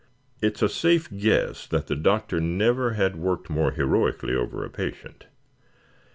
It is a safe guess that the Doctor never had worked more heroically over a patient.